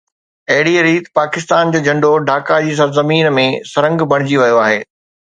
اهڙيءَ ريت پاڪستان جو جهنڊو ڍاڪا جي سرزمين ۾ سرنگهه بڻجي ويو آهي